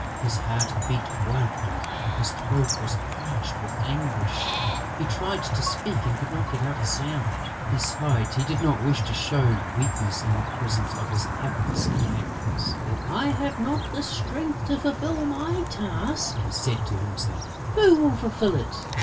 His heart beat wildly, his throat was parched with anguish, he tried to speak and could not get out a sound: besides, he did not wish to show weakness in the presence of his hapless companions! "If I have not the strength to fulfil my task," he said to himself, "who will fulfil it?